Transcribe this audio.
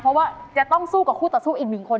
เพราะว่าจะต้องสู้กับคู่ต่อสู้อีกหนึ่งคน